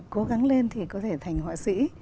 cố gắng lên thì có thể thành họa sĩ